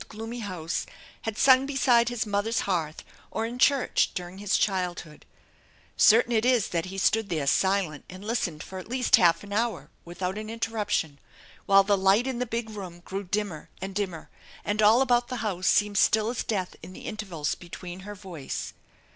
gloomy house, had sung beside his mother's hearth or in church during his childhood ? Certain it is that he stood there silent and listened for at least half an hour without an interruption, while the light in the big room grew dimmer and dimmer and all about the house seemed still as death in the intervals between her voice.